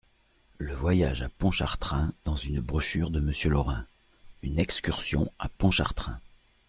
Le Voyage à Pontchartrain, dans une brochure de Monsieur Lorin : UNE EXCURSION A PONTCHARTRAIN.